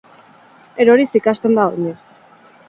Eroriz ikasten da oinez.